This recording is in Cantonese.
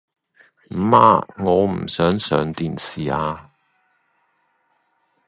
媽，我唔想上電視吖